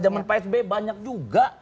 zaman pak sby banyak juga